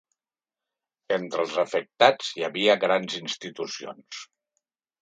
Entre els afectats hi havia grans institucions.